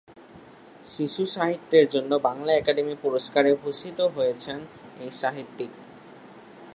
শিশু সাহিত্যের জন্য বাংলা একাডেমি পুরস্কারে ভূষিত হয়েছেন এই সাহিত্যিক।